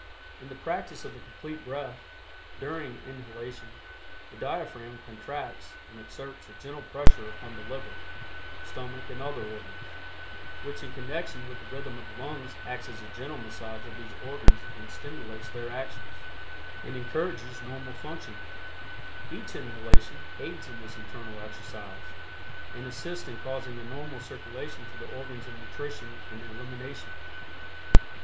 In the practice of the Complete Breath, during inhalation, the diaphragm contracts and exerts a gentle pressure upon the liver, stomach and other organs, which in connection with the rhythm of the lungs acts as a gentle massage of these organs and stimulates their actions, and encourages normal functioning. Each inhalation aids in this internal exercise, and assists in causing a normal circulation to the organs of nutrition and elimination.